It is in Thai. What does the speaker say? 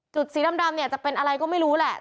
สีดำเนี่ยจะเป็นอะไรก็ไม่รู้แหละ